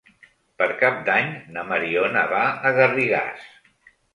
Per Cap d'Any na Mariona va a Garrigàs.